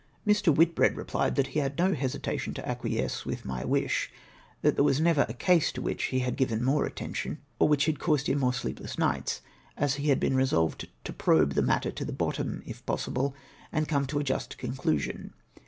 "•' Mr. \\niitbread replied, that he had no hesitation to acquiesce with my wish ; that there never was a case to which he had given more attention, or which had caused him more sleepless nights, as he had been resolved to probe the matter to the bottom, if possible, and come to a just conclu sion.